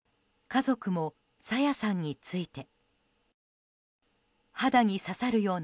家族も朝芽さんについて。